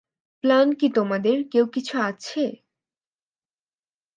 Plan কি তোমাদের কেউ কিছু আছে।